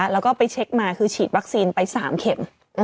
แล้วก็ไปเช็คมาคือฉีดวัคซีนไป๓เข็ม